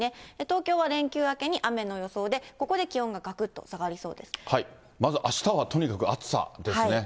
東京は連休明けに雨の予想で、ここで気温ががくっと下がりそうでまず、あしたはとにかく暑さですね。